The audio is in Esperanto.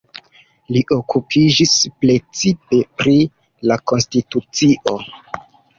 Li okupiĝis precipe pri la konstitucio.